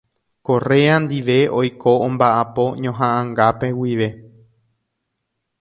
Correa ndive oike ombaʼapo ñohaʼãngápe guive.